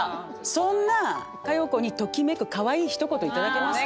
そんな佳代子にときめくかわいい一言頂けますか？